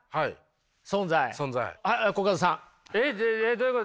どういうこと？